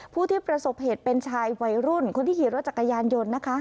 ผู้ที่ประสบเหตุเป็นชายวัยรุ่นคนที่ขี่รถจักรยานยนต์นะคะ